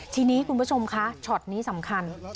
ทีนี้คุณผู้ชมคะช็อตนี้สำคัญ